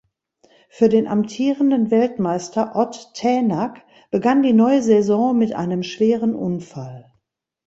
Für den amtierenden Weltmeister Ott Tänak begann die neue Saison mit einem schweren Unfall.